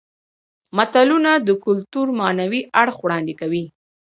متلونه د کولتور معنوي اړخ وړاندې کوي